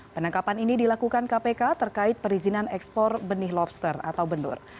penangkapan ini dilakukan kpk terkait perizinan ekspor benih lobster atau benur